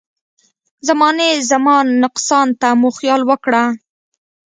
زمانې زما نقصان ته خو خیال وکړه.